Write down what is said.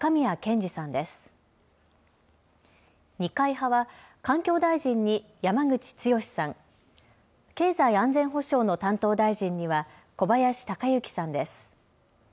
二階派は、環境大臣に山口壯さん、経済安全保障の担当大臣には小林鷹之さんです。